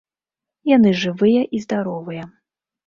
Яны жывыя і здаровыя.